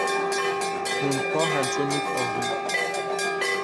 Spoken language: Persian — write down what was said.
تندپا همچون یک آهو